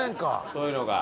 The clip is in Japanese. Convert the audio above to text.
そういうのが。